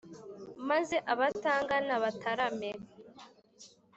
Maze abatangana batarame